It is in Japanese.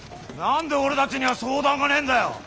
何で俺たちには相談がねえんだよ。